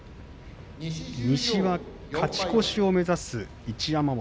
西、勝ち越しを目指す一山本。